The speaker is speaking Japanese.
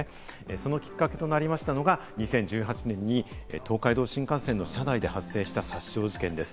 そのきっかけとなりましたのが、２０１８年に東海道新幹線の車内で発生した殺傷事件です。